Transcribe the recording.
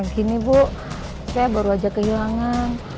gini bu saya baru aja kehilangan